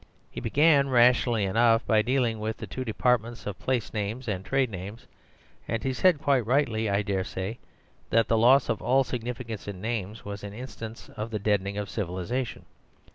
He began rationally enough by dealing with the two departments of place names and trade names, and he said (quite rightly, I dare say) that the loss of all significance in names was an instance of the deadening of civilization.